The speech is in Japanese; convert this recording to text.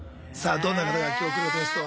どんな方が今日来るゲストは。